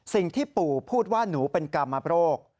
สิ่งที่ปู่พูดว่าหนูเป็นกรรมโรค